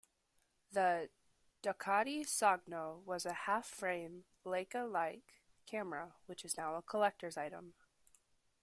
The Ducati Sogno was a half-frame Leica-like camera which is now a collector's item.